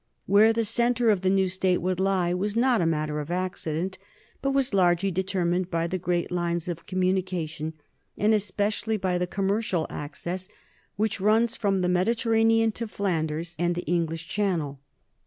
Where the centre of the new state would lie was not a matter of accident but was largely determined by the great lines of communication, and especially by the com mercial axis which runs from the Mediterranean to Flanders and the English Channel.